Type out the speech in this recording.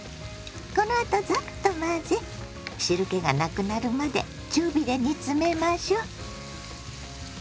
このあとザッと混ぜ汁けがなくなるまで中火で煮詰めましょ。